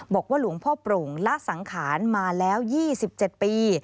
บอกว่าหลวงพ่อโปร่งละสังขารมาแล้ว๒๗ปี